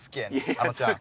あのちゃん。